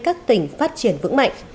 các tỉnh phát triển vững mạnh